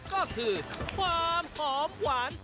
ก็คือความหอมหวาน